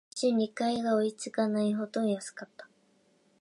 一瞬、理解が追いつかないほど安かった